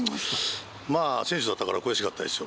まあ選手だったから悔しかったですよ。